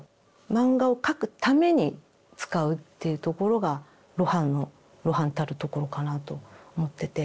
漫画を描くために使うというところが露伴の露伴たるところかなと思ってて。